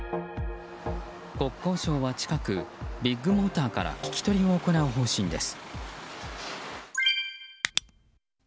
国交省は近く、ビッグモーターから聞き取りを行う方針です。